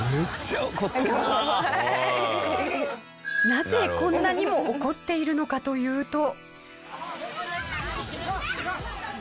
なぜこんなにも怒っているのかというと。